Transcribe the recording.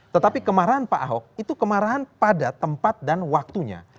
tetapi kemarahan pak ahok itu kemarahan pada tempat dan waktunya